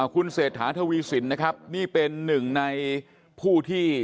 คุณเสธาธวีสินเป็นหนึ่งในผู้ที่